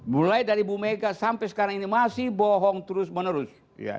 mulai dari ibu mega sampai sekarang ini masih bohong terus menerus